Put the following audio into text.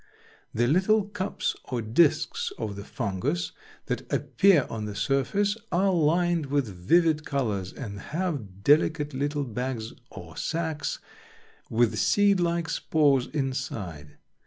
The little cups or discs of the Fungus that appear on the surface are lined with vivid colors, and have delicate little bags or sacs, with seed like spores inside.